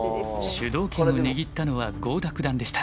主導権を握ったのは郷田九段でした。